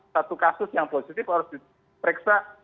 satu kasus yang positif harus diperiksa